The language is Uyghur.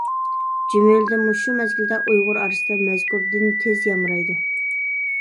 جۈملىدىن مۇشۇ مەزگىلدە ئۇيغۇر ئارىسىدا مەزكۇر دىن تېز يامرايدۇ.